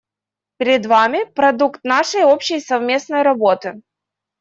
Перед вами — продукт нашей общей совместной работы.